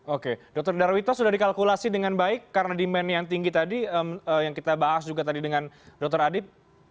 oke dr darwito sudah dikalkulasi dengan baik karena demand yang tinggi tadi yang kita bahas juga tadi dengan dr adib